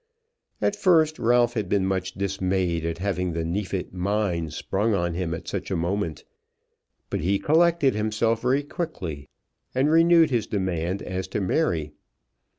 At first Ralph had been much dismayed at having the Neefit mine sprung on him at such a moment; but he collected himself very quickly, and renewed his demand as to Mary.